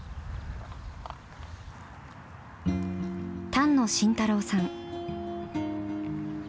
丹野晋太郎さん。